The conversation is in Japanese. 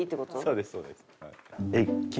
そうですそうです。